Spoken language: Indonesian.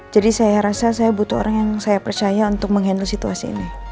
jadi saya rasa saya butuh orang yang saya percaya untuk mengendal situasi ini